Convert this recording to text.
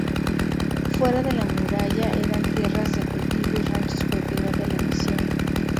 Fuera de la muralla eran tierras de cultivo y ranchos propiedad de la misión.